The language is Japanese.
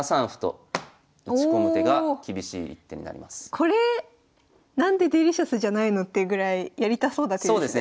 これ何でデリシャスじゃないの？っていうぐらいやりたそうな手ですね。